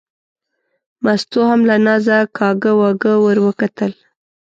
مستو هم له نازه کاږه واږه ور وکتل.